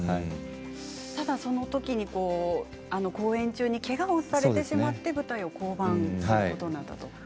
ただそのときに公演中にけがをされてしまって舞台を降板されたと。